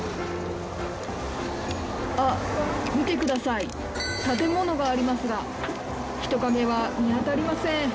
あっ見てください建物がありますが人影は見当たりません。